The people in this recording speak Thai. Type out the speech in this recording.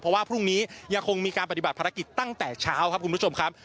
เพราะว่าพรุ่งนี้ยังคงมีการปฏิบัติภารกิจตั้งแต่เช้าครับคุณผู้ชมครับ